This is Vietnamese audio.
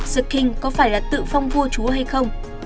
rực king có phải là tự phong vua chúa hay không